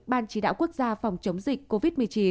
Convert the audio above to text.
ban chỉ đạo quốc gia phòng chống dịch covid một mươi chín